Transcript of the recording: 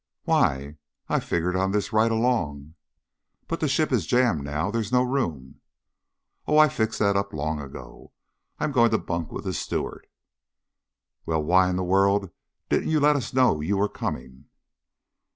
"Why, I've figgered on this right along." "But the ship is jammed now. There is no room." "Oh, I fixed that up long ago. I am going to bunk with the steward." "Well, why in the world didn't you let us know you were coming?"